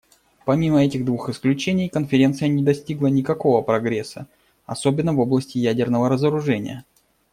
Помимо этих двух исключений, Конференция не достигла никакого прогресса, особенно в области ядерного разоружения.